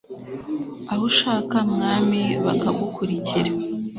aho ushaka, mwami, bakagukurikira